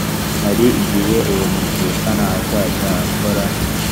hari igihe uwo muvukana azajya akora